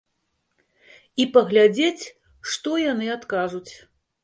І паглядзець, што яны адкажуць.